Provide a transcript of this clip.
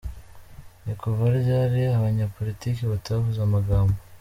Ni kuva ryari abanyapolitiki batavuze amagambo?